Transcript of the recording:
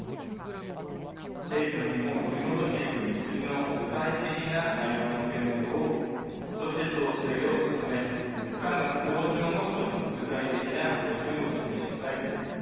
平時の日本を取り戻していく道筋の具体的な内容の検討を、そして調整を進め、３月上旬を目途に具体的な方針をお示ししたい。